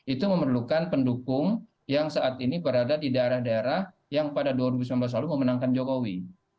itu memerlukan pendukung yang saat ini berada di daerah daerah yang pada dua ribu sembilan belas lalu memenangkan jokowi